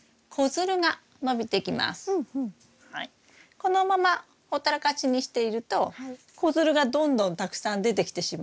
このままほったらかしにしていると子づるがどんどんたくさん出てきてしまいます。